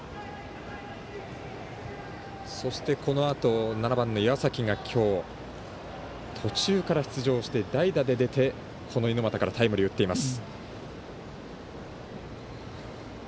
そしてこのあと７番の岩崎が今日途中から出場して代打で出てこの猪俣からタイムリーを打っています。